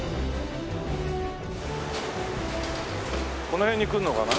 この辺に来るのかな？